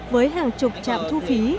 với hàng chục trạm thu phí